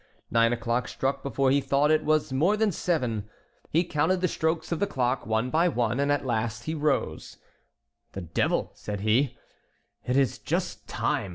Nine o'clock struck before he thought it was more than seven. He counted the strokes of the clock one by one, and at the last he rose. "The devil!" said he, "it is just time."